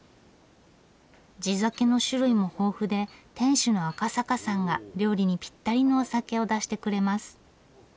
地酒の種類も豊富で店主の赤坂さんが料理にぴったりのお酒を出してくれます。